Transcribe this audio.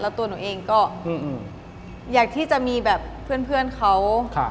แล้วตัวหนูเองก็อยากที่จะมีแบบเพื่อนเขา